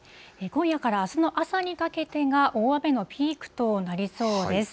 今夜からあすの朝にかけてが、大雨のピークとなりそうです。